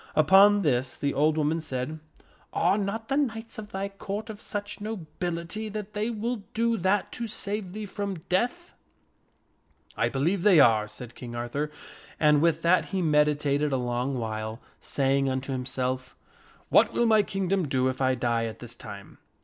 Upon this the old woman said, "Are not the knights of thy Court of such nobility that they will do that to save thee from death?" 44 1 believe they are," said King Arthur. And with that he meditated a long while, saying unto himself, <4 What will my kingdom do if I die at this time?